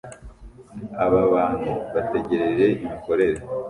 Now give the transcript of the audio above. Aba bantu bategereje imikorere